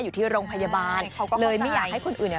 อยู่ที่โรงพยาบาลเลยไม่อยากให้คนอื่น